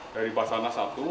dari basana satu